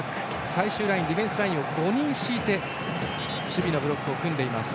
最終ライン、ディフェンスライン５人敷いて守備のブロックを組みます。